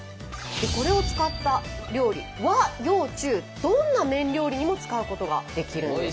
これを使った料理和洋中どんな麺料理にも使うことができるんです。